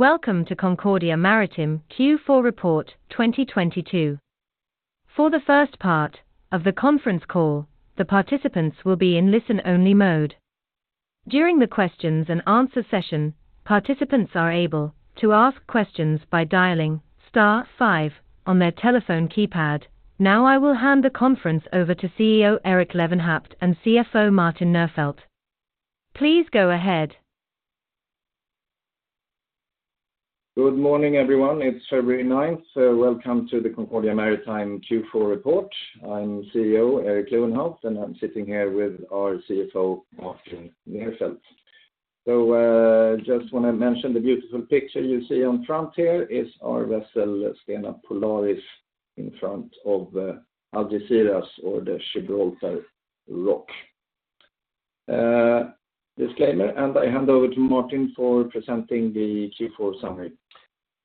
Welcome to Concordia Maritime Q4 Report 2022. For the first part of the conference call, the participants will be in listen-only mode. During the questions and answer session, participants are able to ask questions by dialing star five on their telephone keypad. I will hand the conference over to CEO Erik Lewenhaupt and CFO Martin Nerfeldt. Please go ahead. Good morning everyone. It's February 9th 2022. Welcome to the Concordia Maritime Q4 report. I'm CEO Erik Lewenhaupt, and I'm sitting here with our CFO Martin Nerfeldt. Just wanna mention the beautiful picture you see on front here is our vessel, Stena Polaris, in front of Algeciras or the Rock of Gibraltar. Disclaimer, and I hand over to Martin for presenting the Q4 summary.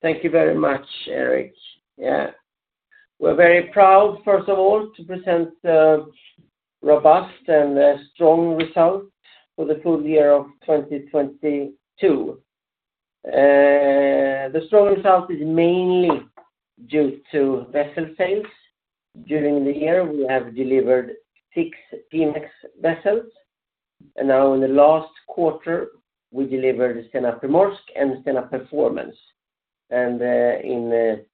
Thank you very much Erik, we're very proud, first of all, to present a robust and a strong result for the full year of 2022. The strong result is mainly due to vessel sales. During the year, we have delivered six P-MAX vessels, now in the last quarter, we delivered Stena Primorsk and Stena Performance. In the,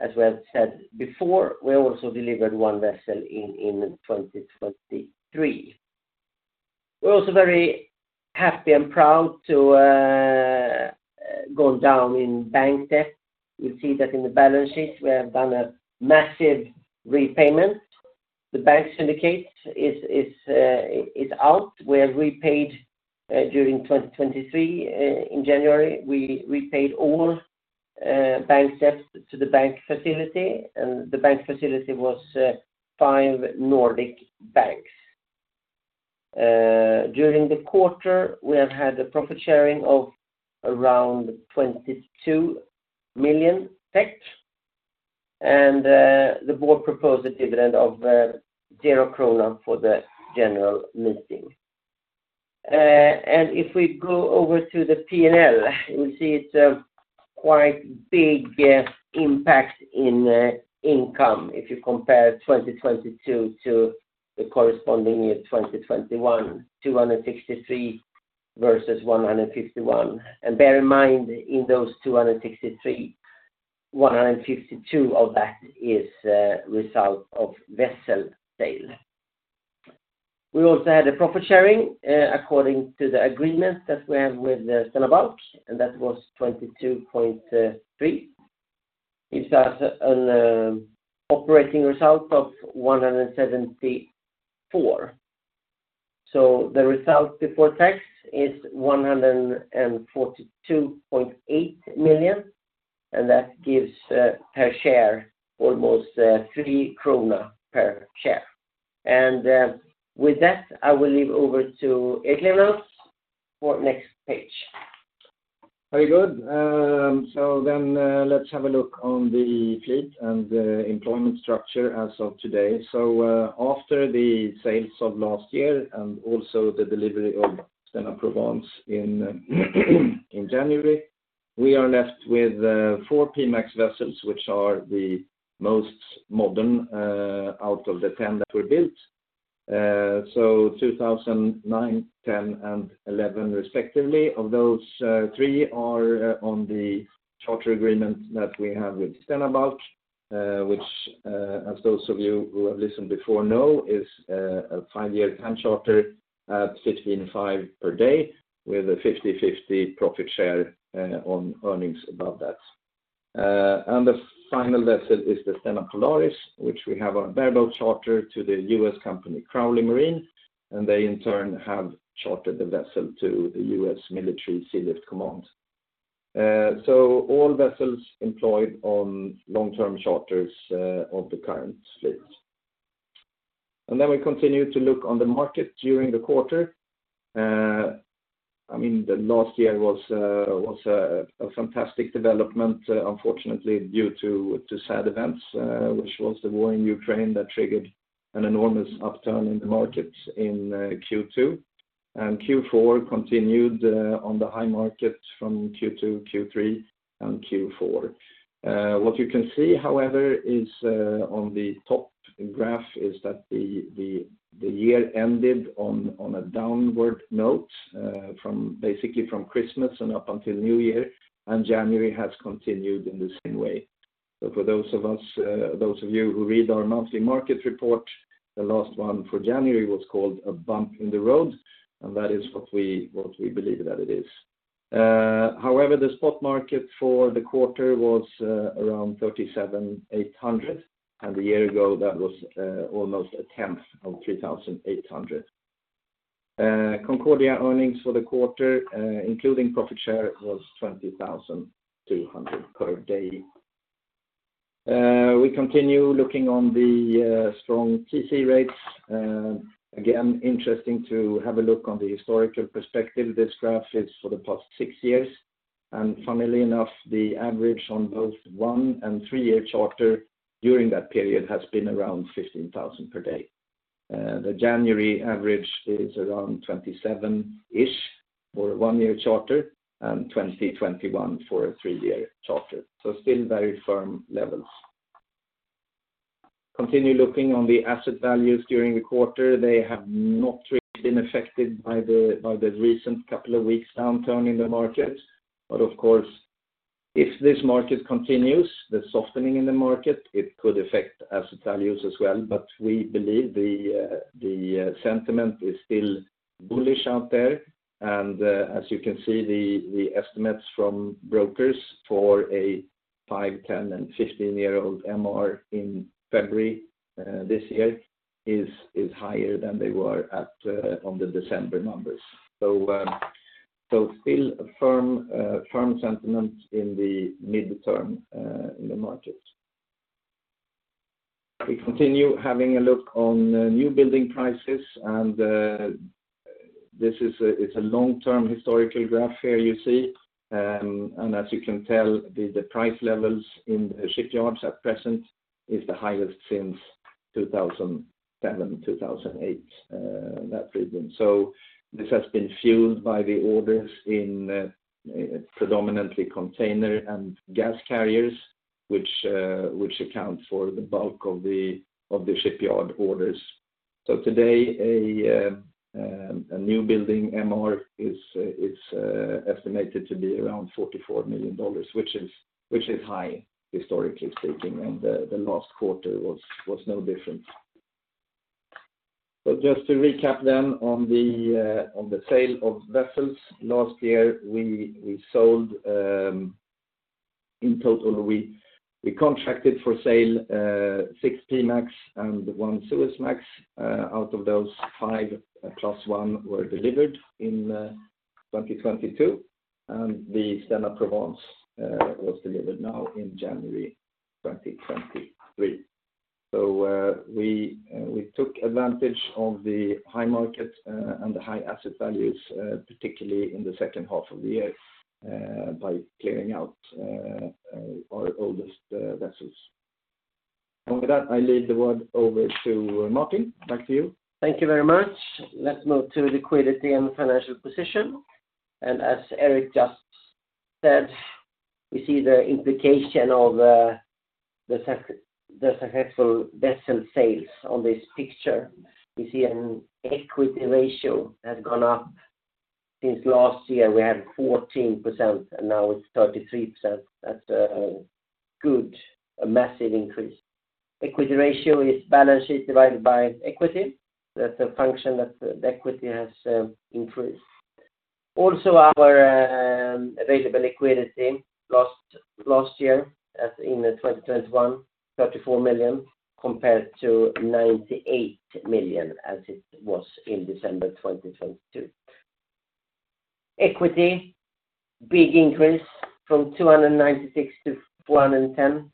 as we have said before, we also delivered one vessel in 2023. We're also very happy and proud to go down in bank debt. You'll see that in the balance sheet, we have done a massive repayment. The bank syndicate is out. We have repaid during 2023. In January, we paid all bank debts to the bank facility, and the bank facility was five Nordic banks. During the quarter, we have had a profit sharing of around 22 million. The board proposed a dividend of zero krona for the general meeting. If we go over to the P&L, you'll see it's a quite big impact in income if you compare 2022 to the corresponding year 2021, 263 versus 151. Bear in mind, in those 263, 152 of that is result of vessel sale. We also had a profit sharing according to the agreement that we have with Stena Bulk, and that was 22.3 million. Gives us an operating result of 174 million. The result before tax is 142.8 million, and that gives, per share almost, 3 krona per share. With that, I will leave over to Erik Lewenhaupt for next page. Very good. Let's have a look on the fleet and the employment structure as of today. After the sales of last year and also the delivery of Stena Provence in January, we are left with four P-MAX vessels, which are the most modern out of the 10 that were built. So 2009, 2010, and 2011 respectively. Of those, three are on the charter agreement that we have with Stena Bulk, which, as those of you who have listened before know, is a five-year time charter at $15,500 per day with a 50/50 profit share on earnings above that. The final vessel is the Stena Polaris, which we have on bareboat charter to the U.S. company Crowley Maritime, and they in turn have chartered the vessel to the U.S. Military Sealift Command. All vessels employed on long-term charters of the current fleet. We continue to look on the market during the quarter. I mean, the last year was a fantastic development, unfortunately, due to sad events, which was the war in Ukraine that triggered an enormous upturn in the markets in Q2. Q4 continued on the high market from Q2, Q3, and Q4. What you can see, however, is on the top graph is that the year ended on a downward note, from basically from Christmas and up until New Year, and January has continued in the same way. For those of us, those of you who read our monthly market report, the last one for January was called A Bump in the Road, and that is what we believe that it is. However, the spot market for the quarter was around $37,800, and a year ago, that was almost a 10th of $3,800. Concordia earnings for the quarter, including profit share, was $20,300 per day. We continue looking on the strong TC rates. Again, interesting to have a look on the historical perspective. This graph is for the past six years. Funnily enough, the average on both one and three-year charter during that period has been around 15,000 per day. The January average is around 27-ish for a one-year charter and 20, 21 for a three-year charter. Still very firm levels. Continue looking on the asset values during the quarter. They have not really been affected by the recent couple of weeks downturn in the market. Of course, if this market continues, the softening in the market, it could affect asset values as well. We believe the sentiment is still bullish out there. As you can see, the estimates from brokers for a five, 10, and 15-year-old MR in February this year is higher than they were at on the December numbers. Still a firm sentiment in the midterm in the market. We continue having a look on new building prices, and this is a, it's a long-term historical graph here you see. And as you can tell, the price levels in shipyards at present is the highest since 2007, 2008 that season. This has been fueled by the orders in predominantly container and gas carriers, which account for the bulk of the shipyard orders. Today, a new building MR is estimated to be around $44 million, which is high historically speaking, and the last quarter was no different. Just to recap then on the sale of vessels. Last year, we sold, in total, we contracted for sale, six P-MAX and one Suezmax. Out of those five, plus one were delivered in 2022, and the Stena Provence was delivered now in January 2023. We took advantage of the high market and the high asset values, particularly in the second half of the year, by clearing out our oldest vessels. With that, I lead the word over to Martin, back to you. Thank you very much. Let's move to liquidity and financial position. As Erik just said, we see the implication of the successful vessel sales on this picture. We see an equity ratio has gone up. Since last year, we had 14%, and now it's 33% that's a massive increase. Equity ratio is balance sheet divided by equity that's a function that equity has increased. Our available liquidity last year, as in 2021, 34 million, compared to 98 million as it was in December 2022. Equity, big increase from 296 to 410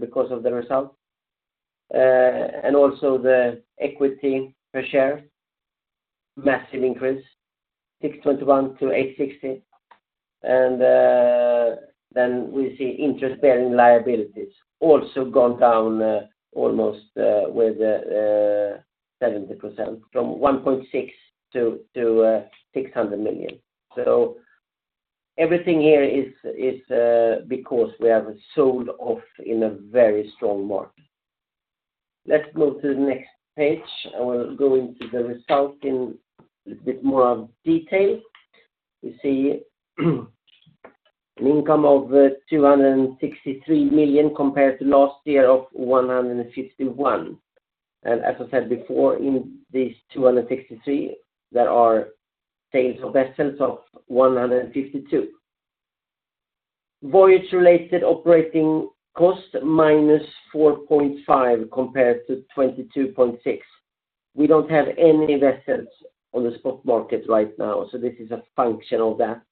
because of the result. Also the equity per share, massive increase, 6.21 to 8.60. Then we see interest-bearing liabilities also gone down almost with 70% from 1.6 billion to 600 million. Everything here is because we have sold off in a very strong market. Let's move to the next page. I will go into the result in a bit more of detail. We see an income of 263 million compared to last year of 151 million. As I said before, in this 263 million, there are sales of vessels of 152 million. Voyage-related operating cost, -4.5 million compared to 22.6 million. We don't have any vessels on the spot market right now, this is a function of that.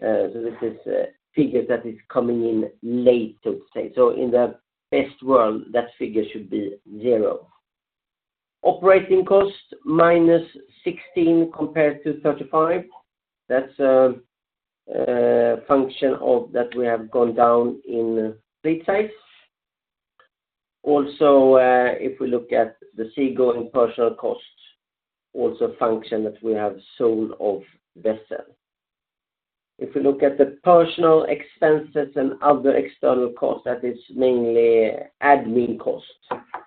This is a figure that is coming in late, I would say. In the best world, that figure should be zero. Operating cost, minus 16 million compared to 35 million that's a function of that we have gone down in fleet size. Also, if we look at the seagoing partial costs, also a function that we have sold of vessels. If we look at the personal expenses and other external costs, that is mainly admin costs,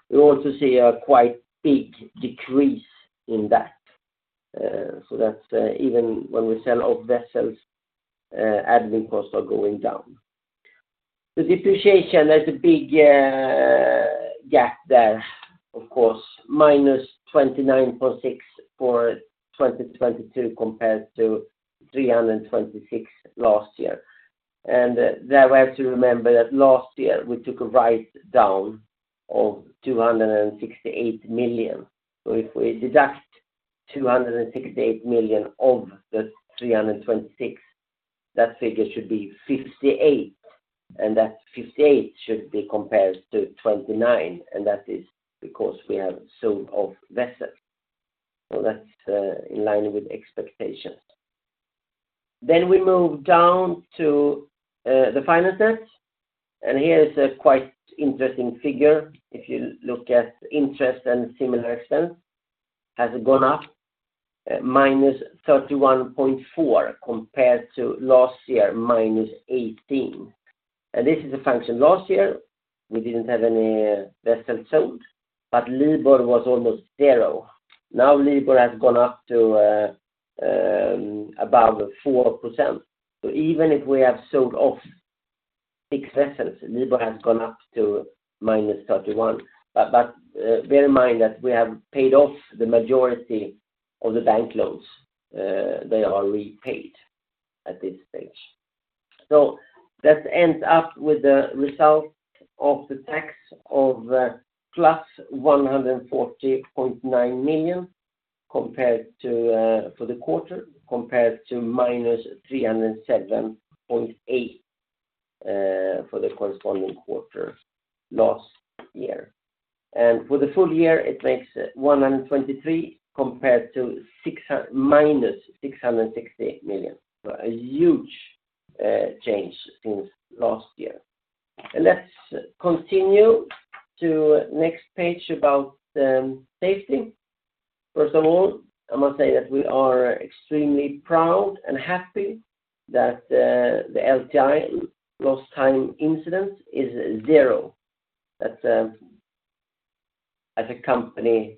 we also see a quite big decrease in that. That's even when we sell off vessels, admin costs are going down. The depreciation, there's a big gap there, of course, -29.6 million for 2022 compared to 326 million last year. There we have to remember that last year, we took a write-down of 268 million. If we deduct 268 million of the 326, that figure should be 58, and that 58 should be compared to 29, and that is because we have sold off vessels. We move down to the finance net. Here is a quite interesting figure. If you look at interest and similar expense, has gone up at -31.4 compared to last year, -18. This is a function. Last year, we didn't have any vessels sold, but LIBOR was almost zero. Now LIBOR has gone up to above 4% even if we have sold off six vessels, LIBOR has gone up to -31. Bear in mind that we have paid off the majority of the bank loans. They are repaid at this stage. That ends up with the result of the tax of +140.9 million compared to for the quarter, compared to -307.8 million for the corresponding quarter last year. For the full year, it makes 123 million compared to -668 million, a huge change since last year. Let's continue to next page about safety. First of all, I must say that we are extremely proud and happy that the LTI, lost time incidents, is zero. As a company,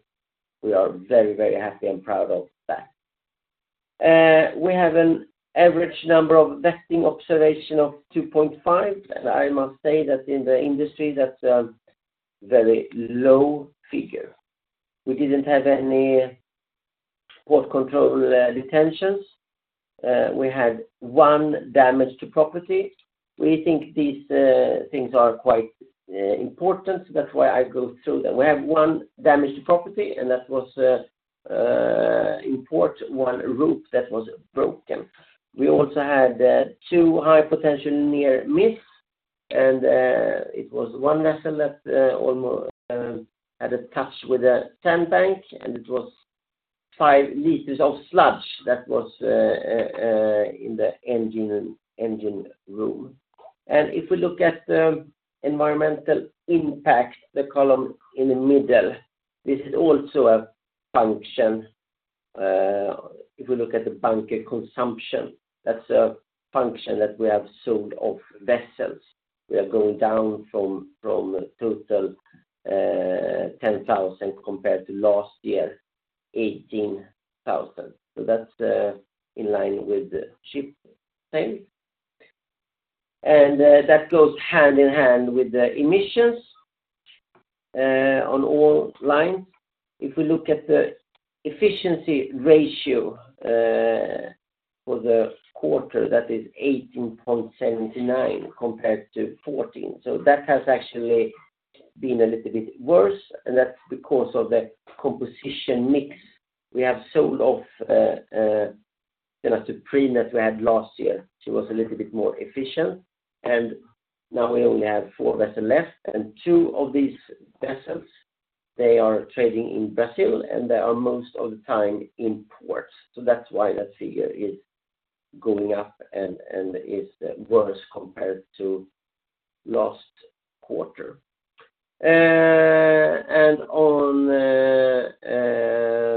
we are very, very happy and proud of that. We have an average number of vetting observation of 2.5, and I must say that in the industry that's a very low figure. We didn't have any port control detentions. We had one damage to property. We think these things are quite important, so that's why I go through them. We have one damage to property, and that was import, one rope that was broken. We also had two high potential near miss, and it was one vessel that had a touch with a sandbank, and it was 5 L of sludge that was in the engine room. If we look at the environmental impact, the column in the middle, this is also a function. If we look at the bunker consumption, that's a function that we have sold off vessels. We are going down from total 10,000 compared to last year, 18,000 that's in line with the ship sale. That goes hand in hand with the emissions on all lines. If we look at the efficiency ratio for the quarter, that is 18.79 compared to 14. That has actually been a little bit worse, and that's because of the composition mix. We have sold off Stena Supreme that we had last year. She was a little bit more efficient. Now we only have four vessels left, and two of these vessels, they are trading in Brazil, and they are most of the time in ports. That's why that figure is going up and is worse compared to last quarter.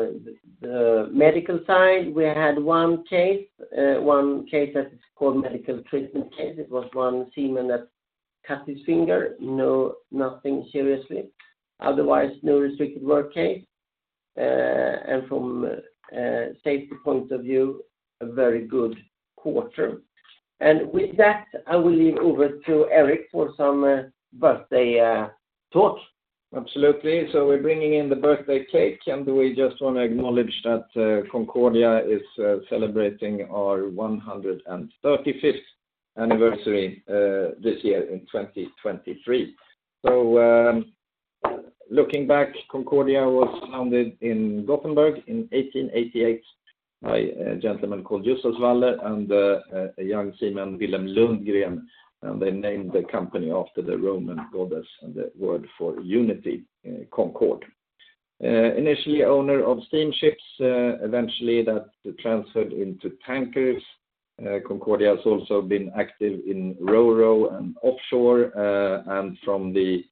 On the medical side, we had one case, one case that is called medical treatment case. It was one seaman that cut his finger. Nothing seriously. Otherwise, no restricted work case from a safety point of view, a very good quarter. With that, I will leave over to Erik for some birthday talk. Absolutely. We're bringing in the birthday cake, and we just wanna acknowledge that Concordia is celebrating our 135th anniversary this year in 2023. Looking back, Concordia was founded in Gothenburg in 1888 by a gentleman called Justus Waller and a young seaman, Wilhelm Lundgren, and they named the company after the Roman goddess and the word for unity, Concord. Initially, owner of steamships, eventually that transferred into tankers. Concordia has also been active in RoRo and offshore, and from the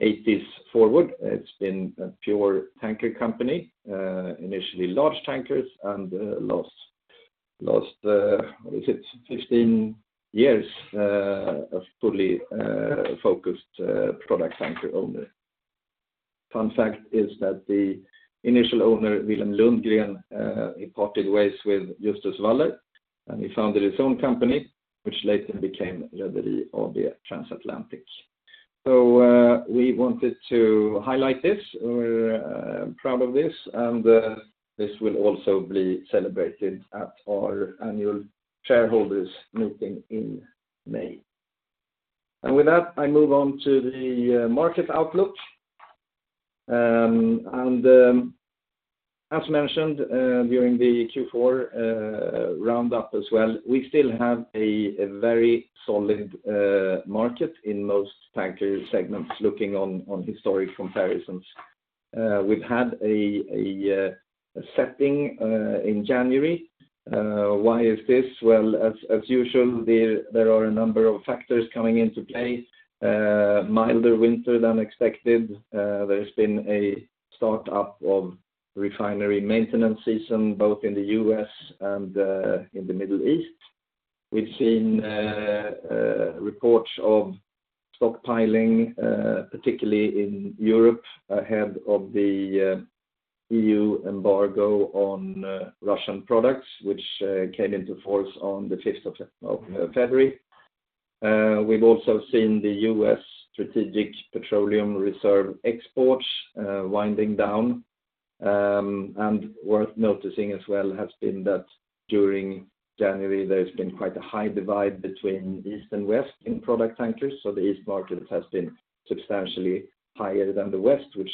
eighties forward, it's been a pure tanker company, initially large tankers and last, what is it, 15 years, a fully focused product tanker owner. Fun fact is that the initial owner, Wilhelm Lundgren, parted ways with Justus Waller, and he founded his own company, which later became Rederi AB Transatlantic. We wanted to highlight this. We're proud of this, and this will also be celebrated at our annual shareholders meeting in May. With that, I move on to the market outlook. As mentioned, during the Q4 roundup as well, we still have a very solid market in most tanker segments looking on historic comparisons. We've had a setting in January, why is this? Well, as usual, there are a number of factors coming into play. Milder winter than expected. There's been a start up of refinery maintenance season, both in the U.S. and in the Middle East. We've seen reports of stockpiling, particularly in Europe ahead of the EU embargo on Russian products, which came into force on the February 15th. We've also seen the U.S. Strategic Petroleum Reserve exports winding down. Worth noticing as well has been that during January, there's been quite a high divide between East and West in product tankers. The East markets has been substantially higher than the West, which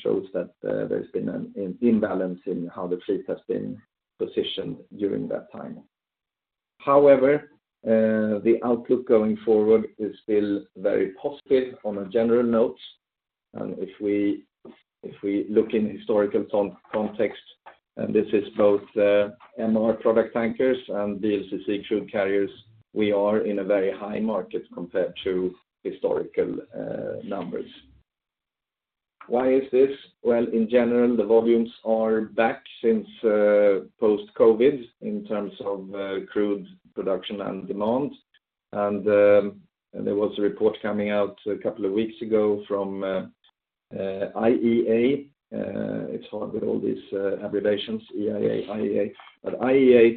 shows that there's been an imbalance in how the fleet has been positioned during that time. However, the outlook going forward is still very positive on a general note. If we look in historical context, and this is both MR product tankers and VLCC crude carriers, we are in a very high market compared to historical numbers. Why is this? Well, in general, the volumes are back since post-COVID in terms of crude production and demand. There was a report coming out a couple of weeks ago from IEA. It's hard with all these abbreviations, EIA, IEA. IEA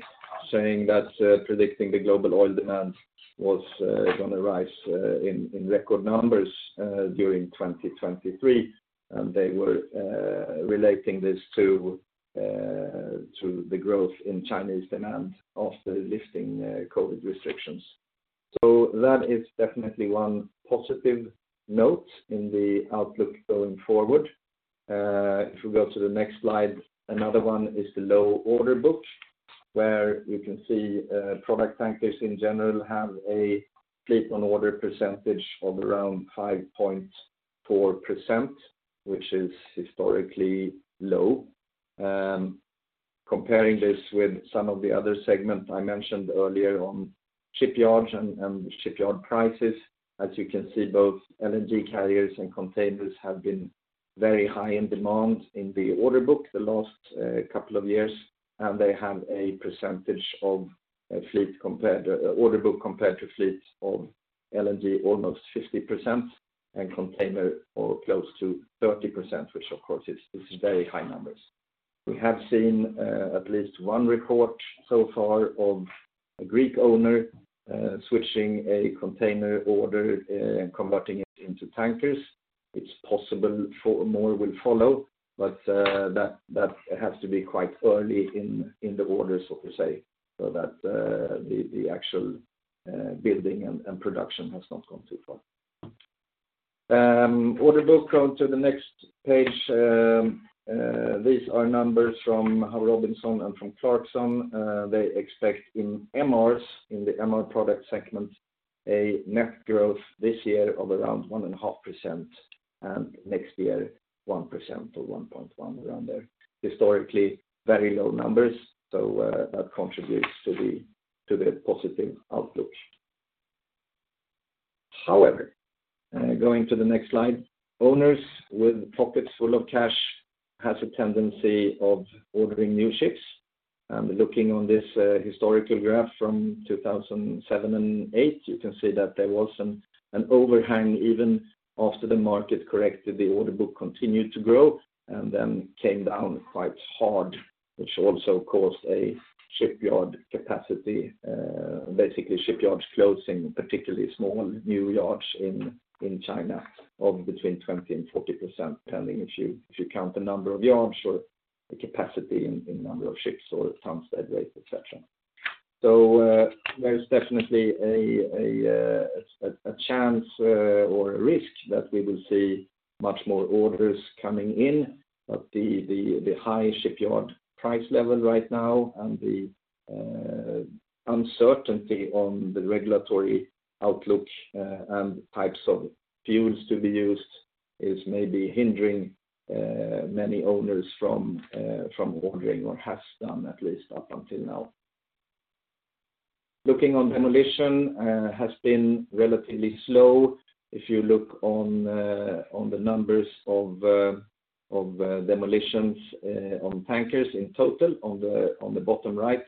saying that predicting the global oil demand was gonna rise in record numbers during 2023. They were relating this to the growth in Chinese demand after lifting COVID restrictions. That is definitely one positive note in the outlook going forward. If we go to the next slide, another one is the low order book, where you can see product tankers in general have a fleet on order percentage of around 5.4%, which is historically low. Comparing this with some of the other segments I mentioned earlier on shipyards and shipyard prices, as you can see, both LNG carriers and containers have been very high in demand in the order book the last couple of years, and they have a percentage of fleet compared order book compared to fleet of LNG, almost 50%, and container or close to 30%, which of course is very high numbers. We have seen at least one report so far of a Greek owner switching a container order and converting it into tankers. It's possible more will follow, but that has to be quite early in the order, so to say, so that the actual building and production has not gone too far. Order book, go to the next page. These are numbers from Howe Robinson and from Clarksons. They expect in MRs, in the MR product segment, a net growth this year of around 1.5%, and next year, 1% or 1.1% around there. Historically, very low numbers that contributes to the, to the positive outlook. However, going to the next slide, owners with pockets full of cash has a tendency of ordering new ships. Looking on this historical graph from 2007 and 2008, you can see that there was an overhang even after the market corrected, the order book continued to grow and then came down quite hard, which also caused a shipyard capacity, basically shipyards closing, particularly small new yards in China, of between 20%-40%, depending if you count the number of yards or the capacity in number of ships or tons dead weight, etc.. There is definitely a chance or a risk that we will see much more orders coming in. The high shipyard price level right now and the uncertainty on the regulatory outlook and types of fuels to be used is maybe hindering many owners from ordering or has done at least up until now. Looking on demolition has been relatively slow. If you look on the numbers of demolitions on tankers in total on the bottom right,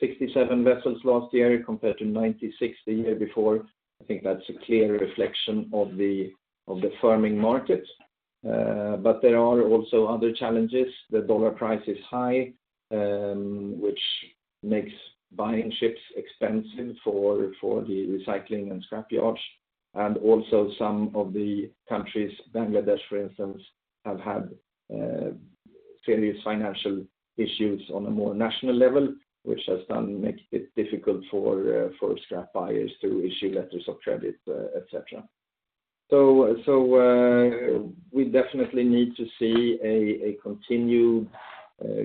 67 vessels last year compared to 96 the year before. I think that's a clear reflection of the firming market. There are also other challenges. The dollar price is high, which makes buying ships expensive for the recycling and scrap yards. Also some of the countries, Bangladesh, for instance, have had serious financial issues on a more national level, which has done make it difficult for scrap buyers to issue letters of credit, etc.. We definitely need to see a continued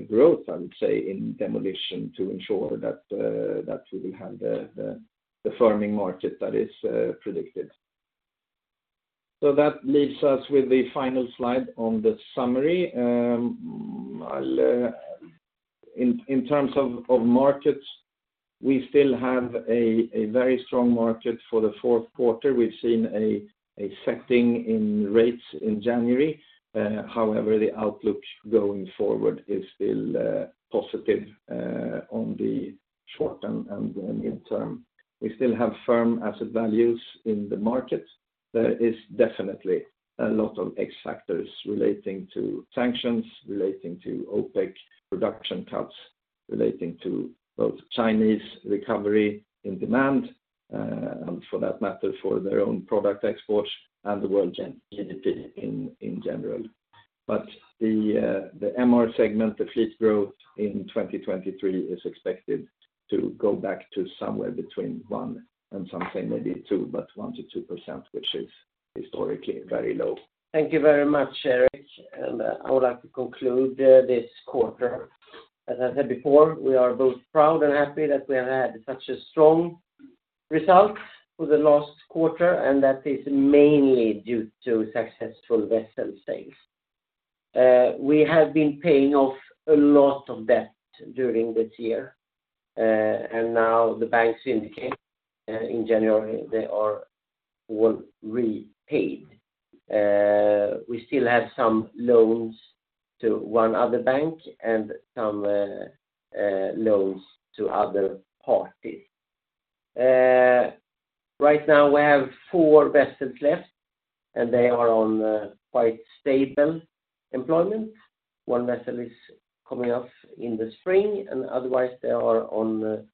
growth, I would say, in demolition to ensure that we will have the firming market that is predicte that leaves us with the final slide on the summary. In terms of markets, we still have a very strong market for the fourth quarter. We've seen a setting in rates in January. However, the outlook going forward is still positive on the short and the midterm. We still have firm asset values in the market. There is definitely a lot of X factors relating to sanctions, relating to OPEC production cuts, relating to both Chinese recovery in demand, and for that matter, for their own product exports and the world GDP in general. The MR segment, the fleet growth in 2023 is expected to go back to somewhere between one and something, maybe two, but 1%-2%, which is historically very low. Thank you very much, Erik. I would like to conclude this quarter. As I said before, we are both proud and happy that we have had such a strong result for the last quarter, and that is mainly due to successful vessel sales. We have been paying off a lot of debt during this year. Now the banks indicate in January they are all repaid. We still have some loans to one other bank and some loans to other parties. Right now we have four vessels left, and they are on quite stable employment. One vessel is coming off in the spring, and otherwise they are on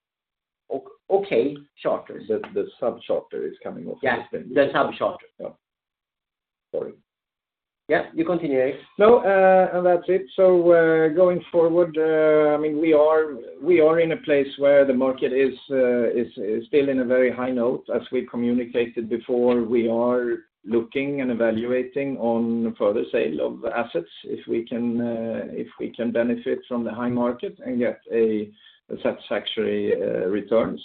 okay charters. The sub charter is coming off the spring. Yes, the sub charter. Yeah. Sorry. Yeah, you continue, Erik. No, and that's it. I mean, we are in a place where the market is still in a very high note. As we communicated before, we are looking and evaluating on further sale of assets if we can benefit from the high market and get a satisfactory return.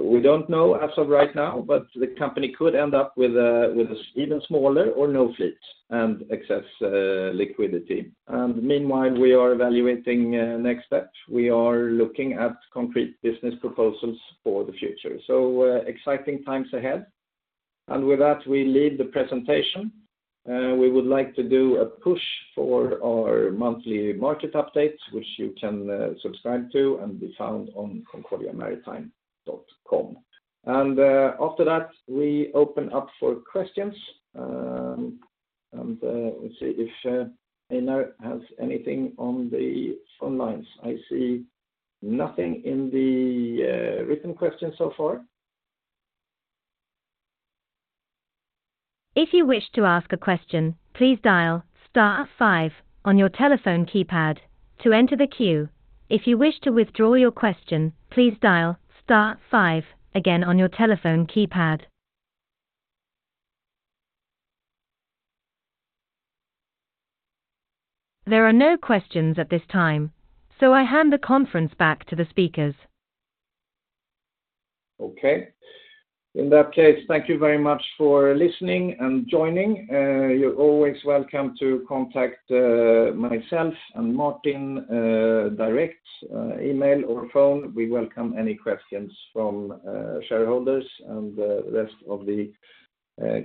We don't know as of right now, but the company could end up with an even smaller or no fleet and excess liquidity. Meanwhile, we are evaluating next steps. We are looking at concrete business proposals for the future. Exciting times ahead. With that, we leave the presentation. We would like to do a push for our monthly market updates, which you can subscribe to and be found on concordiamaritime.com. After that, we open up for questions. Let's see if Einar has anything on the phone lines. I see nothing in the written questions so far. If you wish to ask a question, please dial star five on your telephone keypad to enter the queue. If you wish to withdraw your question, please dial star five again on your telephone keypad. There are no questions at this time, so I hand the conference back to the speakers. Okay. In that case, thank you very much for listening and joining. You're always welcome to contact myself and Martin direct email or phone. We welcome any questions from shareholders and the rest of the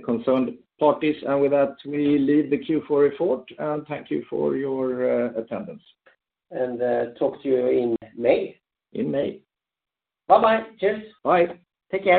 concerned parties. With that, we leave the Q4 report, and thank you for your attendance. Talk to you in May. In May. Bye-bye. Cheers. Bye. Take care.